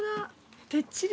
てっちり。